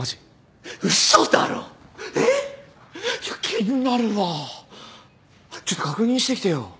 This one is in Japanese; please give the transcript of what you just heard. ちょっと確認してきてよ。